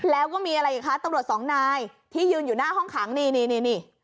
แล้วก็มีอะไรอีกคะตำรวจสองนายที่ยืนอยู่หน้าห้องขังนี่นี่